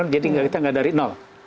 jadi kita tidak dari nol